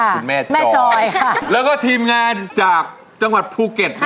ค่ะคุณแม่จอยแม่จอยค่ะแล้วก็ทีมงานจากจังหวัดภูเก็ตนะครับ